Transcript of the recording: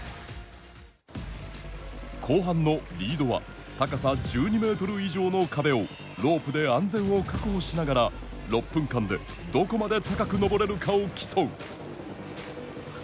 後半のリードは高さ１２メートル以上の壁をロープで安全を確保しながら６分間でどこまで高く登れるかを競う。